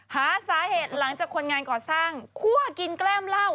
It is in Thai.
หาสาเหตุหลังจากคนงานก่อสร้างคั่วกินแกล้มเหล้า